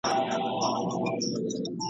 له ټوکرانو څخه جوړه وه رنګینه ..